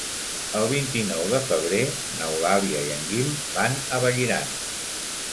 El vint-i-nou de febrer n'Eulàlia i en Guim van a Vallirana.